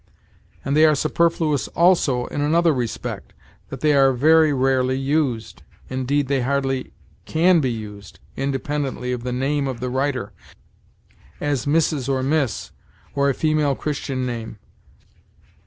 And they are superfluous, also, in another respect that they are very rarely used, indeed they hardly can be used, independently of the name of the writer, as Mrs., or Miss, or a female Christian name.